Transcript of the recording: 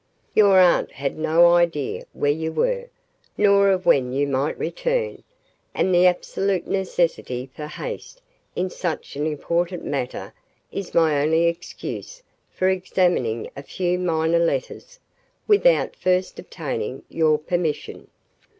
Your Aunt had no idea where you were, nor of when you might return, and the absolute necessity for haste in such an important matter is my only excuse for examining a few minor letters without first obtaining your permission."